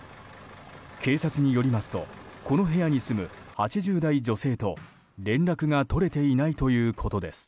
警察によりますとこの部屋に住む８０代女性と連絡が取れていないということです。